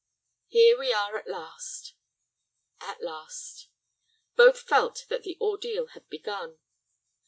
"Here we are, at last." "At last." Both felt that the ordeal had begun.